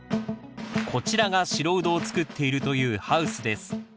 こちらが白ウドを作っているというハウスです。